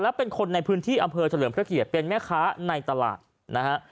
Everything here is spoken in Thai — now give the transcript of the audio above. และเป็นคนในพื้นที่อำเภอเฉลิมพระเกียรติเป็นแม่ค้าในตลาดนะฮะ